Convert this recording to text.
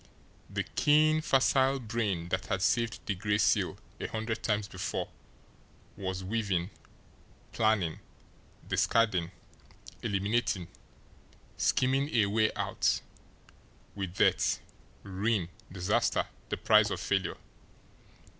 The keen, facile brain that had saved the Gray Seal a hundred times before was weaving, planning, discarding, eliminating, scheming a way out with death, ruin, disaster the price of failure.